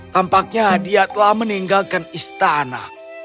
tampaknya dia telah meninggalkan istana